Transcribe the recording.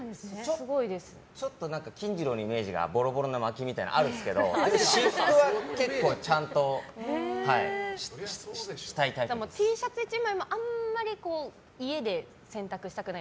ちょっと金次郎のイメージがボロボロのまきみたいなイメージがあるんですけど私服はＴシャツ１枚もあんまり家で洗濯したくない。